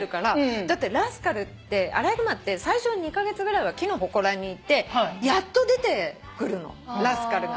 だってラスカルってアライグマって最初の２カ月ぐらいは木のほこらにいてやっと出てくるのラスカルが。